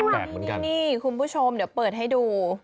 หนักเหมือนกันนี่คุณผู้ชมเดี๋ยวเปิดให้ดู